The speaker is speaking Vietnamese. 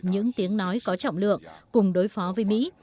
những tiếng nói có trọng lượng cùng đối phó với mỹ